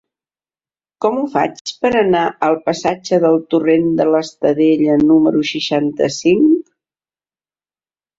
Com ho faig per anar al passatge del Torrent de l'Estadella número seixanta-cinc?